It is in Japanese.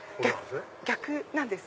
逆なんです。